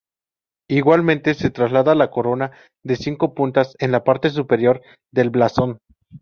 Igualmente, se traslada la corona de cinco puntas en la parte superior del blasón.